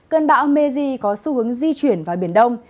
cơn bão meji có xu hướng di chuyển vào biển đông